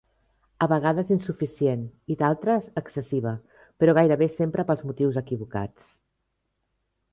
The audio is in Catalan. A vegades insuficient i d'altres, excessiva, però gairebé sempre pels motius equivocats.